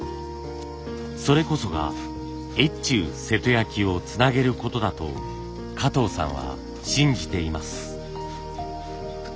それこそが越中瀬戸焼をつなげることだと加藤さんは信じています。